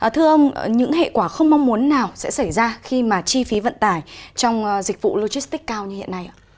thưa ông những hệ quả không mong muốn nào sẽ xảy ra khi mà chi phí vận tải trong dịch vụ logistics cao như hiện nay ạ